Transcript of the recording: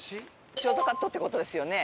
ショートカットって事ですよね。